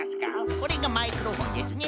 これがマイクロフォンですね。